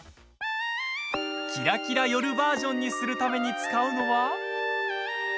キラキラ夜バージョンにするために使うのは。